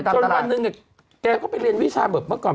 จนวันนึงนั้นแกก็เป็นไปทีมวิชาเมื่อก่อน